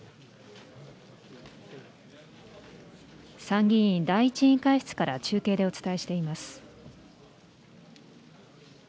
参議院第１委員会室から中継でお伝えします。